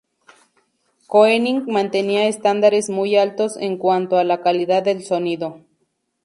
Koenig mantenía estándares muy altos en cuanto a la calidad del sonido.